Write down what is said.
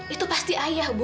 itu pasti ayah bu